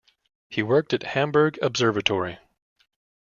He worked at Hamburg Observatory.